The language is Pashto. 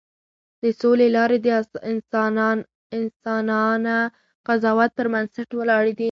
د سولې لارې د انسانانه قضاوت پر بنسټ ولاړې دي.